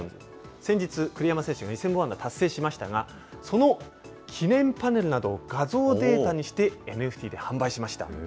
先日、栗山選手が２０００本安打達成しましたが、その記念パネルなど、画像データにしてＮＦＴで販売しました。